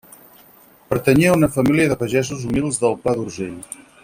Pertanyia a una família de pagesos humils del Pla d'Urgell.